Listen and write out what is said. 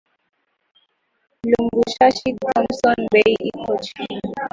Lubumbashi thomson bei iko chini